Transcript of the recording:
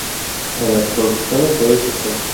En las producciones de St.